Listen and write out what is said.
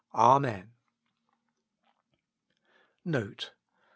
Amen. NOTE.